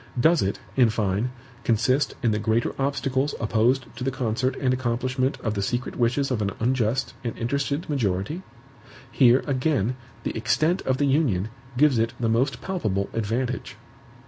Does it, in fine, consist in the greater obstacles opposed to the concert and accomplishment of the secret wishes of an unjust and interested majority? Here, again, the extent of the Union gives it the most palpable advantage.